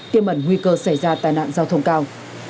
tiêm ẩn nguy cơ xảy ra tai nạn giao thông cao